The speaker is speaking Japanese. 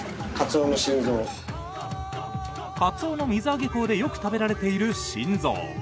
カツオの水揚げ港でよく食べられている心臓。